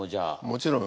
もちろん。